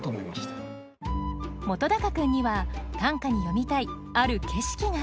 本君には短歌に詠みたいある景色が。